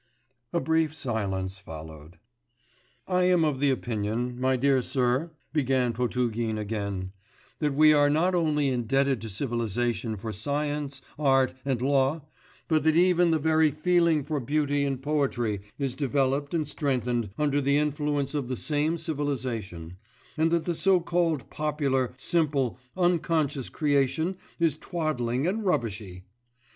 A brief silence followed. 'I am of opinion, my dear sir,' began Potugin again, 'that we are not only indebted to civilisation for science, art, and law, but that even the very feeling for beauty and poetry is developed and strengthened under the influence of the same civilisation, and that the so called popular, simple, unconscious creation is twaddling and rubbishy.